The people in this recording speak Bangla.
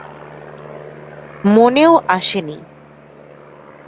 মনেও আসে নি!